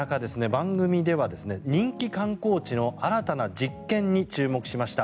番組では、人気観光地の新たな実験に注目しました。